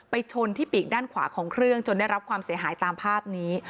ชนที่ปีกด้านขวาของเครื่องจนได้รับความเสียหายตามภาพนี้